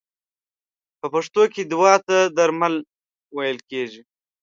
په پښتو کې دوا ته درمل ویل کیږی.